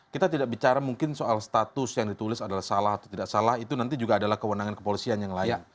kita tidak bicara mungkin soal status yang ditulis adalah salah atau tidak salah itu nanti juga adalah kewenangan kepolisian yang lain